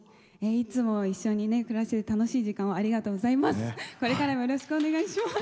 いつも一緒に暮らして楽しい時間をありがとうございます。